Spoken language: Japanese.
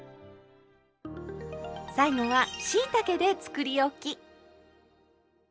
最後はしいたけでつくりおき。